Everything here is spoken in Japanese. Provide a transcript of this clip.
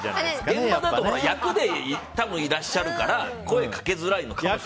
現場だと役でいらっしゃるから声をかけづらいのかもしれない。